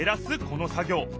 この作業。